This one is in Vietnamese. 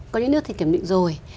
có những nước thì kiểm định rồi